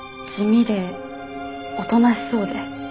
地味でおとなしそうで。